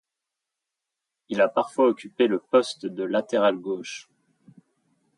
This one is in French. Il a parfois occupé le poste de latéral gauche.